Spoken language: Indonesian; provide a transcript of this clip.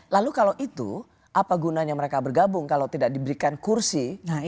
lalu kalau itu apa gunanya mereka bergabung kalau tidak diberikan kursi